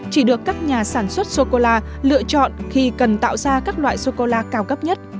chỉ được các nhà sản xuất sô cô la lựa chọn khi cần tạo ra các loại sô cô la cao cấp nhất